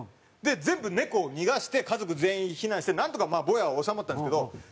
全部猫を逃がして家族全員避難してなんとかぼやは収まったんですけど。